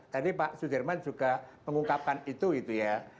dan kemudian saya juga mengungkapkan itu ya